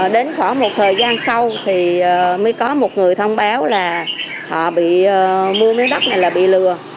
đến khoảng một thời gian sau thì mới có một người thông báo là họ bị mua miếng đất này là bị lừa